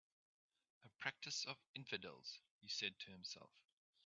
"A practice of infidels," he said to himself.